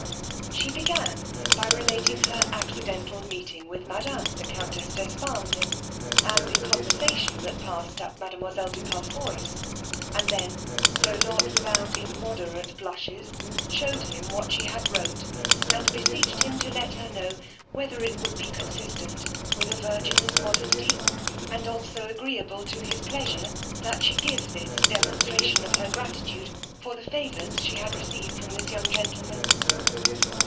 She began by relating her accidental meeting with madam, the countess d'Espargnes and the conversation that passed at mademoiselle de Palfoy's, and then, tho' not without immoderate blushes, shewed him what she had wrote, and beseeched him to let her know whether it would be consistent with a virgin's modesty, and also agreeable to his pleasure, that she gave this demonstration of her gratitude for the favours she had received from this young gentleman.